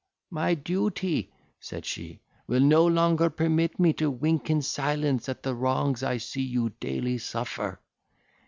—"My duty," said she, "will no longer permit me to wink in silence at the wrongs I see you daily suffer.